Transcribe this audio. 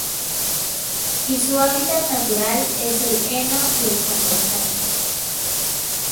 Y su hábitat natural es el heno y el compostaje.